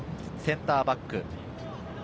センターバック。